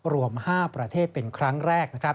รวม๕ประเทศเป็นครั้งแรก